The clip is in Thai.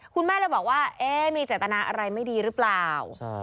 คุณแม่เลยบอกว่ามีเจตนาอะไรไม่ดีหรือเปล่า